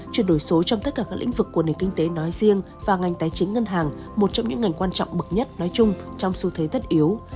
chuyển đổi số trong tất cả các lĩnh vực của nền kinh tế nói riêng và ngành tài chính ngân hàng một trong những ngành quan trọng bậc nhất nói chung trong xu thế tất yếu